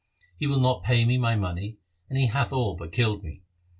He will not pay me my money, and he hath all but killed me.